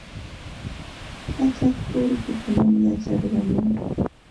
Pachak urpikunam chayarqamun.